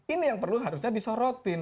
ini yang perlu harusnya disorotin